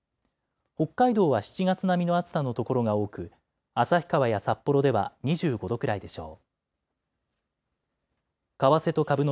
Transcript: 北海道は７月並みの暑さの所が多く、旭川や札幌では２５度くらいでしょう。